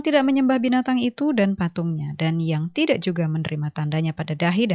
diangkat dari dunia ini